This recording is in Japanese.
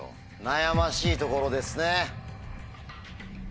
悩ましいところですね。